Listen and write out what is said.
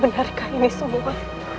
benarkah ini semua